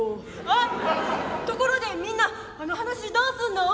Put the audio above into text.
「あっところでみんなあの話どうすんの？」。